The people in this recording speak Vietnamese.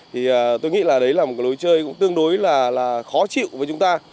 thì tôi nghĩ là đấy là một cái lối chơi cũng tương đối là khó chịu với chúng ta